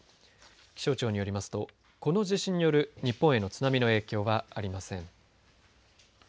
気象庁によりますとこの地震による日本への津波の影響はありません。